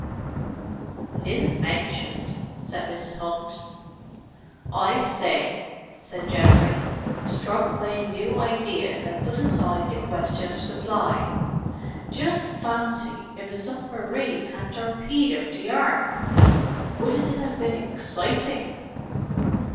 "It isn't mentioned," said Mrs. Hunt. "I say!" said Geoffrey, struck by a new idea that put aside the question of supply. "Just fancy if a submarine had torpedoed the Ark! Wouldn't it have been exciting!"